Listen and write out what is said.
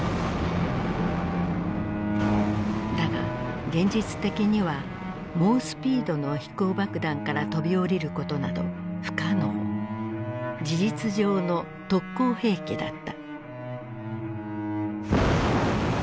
だが現実的には猛スピードの飛行爆弾から飛び降りることなど不可能事実上の特攻兵器だった。